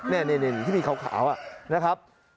นี่ที่มีขาวนะครับ